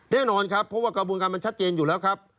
แน่นอนครับเพราะว่ากระบวนการมันชัดเจนอยู่แล้วครับ